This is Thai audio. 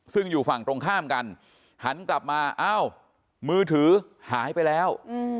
ซึ่งอยู่ฝั่งตรงข้ามกันหันกลับมาอ้าวมือถือหายไปแล้ว